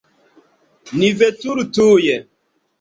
Ni veturu tuj!